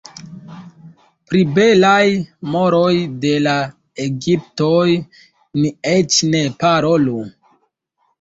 Pri belaj moroj de la egiptoj ni eĉ ne parolu.